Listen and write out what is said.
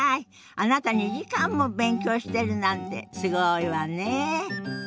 あなた２時間も勉強してるなんてすごいわね。